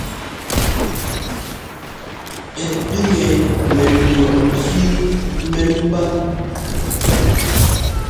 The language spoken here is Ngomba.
Ɛ píkŋɛ mɛ mbʉɔʼ ntsẅí mɛmbá.